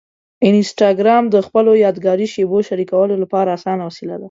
انسټاګرام د خپلو یادګاري شېبو شریکولو لپاره اسانه وسیله ده.